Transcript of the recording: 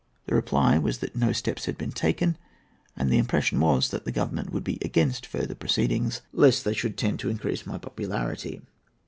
The reply was that no steps had been taken, and the impression was, that Government would be against further proceedings, lest they should tend to increase my popularity.